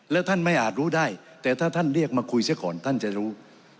และท่านไม่อาจรู้ได้แต่ถ้าท่านเรียกมาคุยเสียก่อนท่านจะรู้